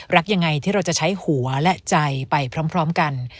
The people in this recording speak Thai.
รักยังไงที่เราจะใช้หัวและใจไปพร้อมกัน